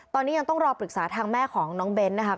ตอนนี้ยังต้องรอปรึกษาทางแม่ของน้องเบ้นนะครับ